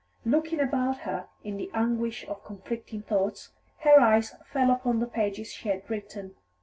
Looking about her in the anguish of conflicting thoughts, her eyes fell upon the pages she had written.